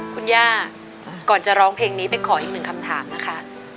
คุณย่าก่อนจะร้องเพลงนี้ไปขออีกหนึ่งคำถามนะคะ